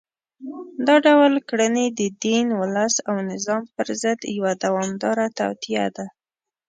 دا ډول کړنې د دین، ولس او نظام پر ضد یوه دوامداره توطیه ده